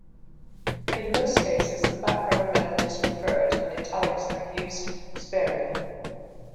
In most cases, the background method is preferred and italics are used sparingly.